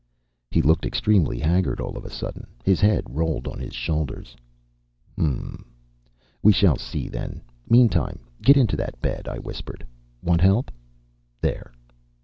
"He looked extremely haggard all of a sudden. His head rolled on his shoulders. "H'm. We shall see then. Meantime get into that bed," I whispered. "Want help? There."